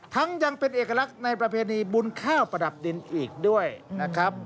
ยังเป็นเอกลักษณ์ในประเพณีบุญข้าวประดับดินอีกด้วยนะครับ